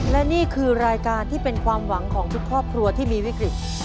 และนี่คือรายการที่เป็นความหวังของทุกครอบครัวที่มีวิกฤต